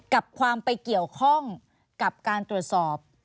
กับความไปเกี่ยวข้องกับการตรวจสอบ